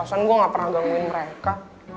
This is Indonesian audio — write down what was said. alasan gue gak pernah gangguin mereka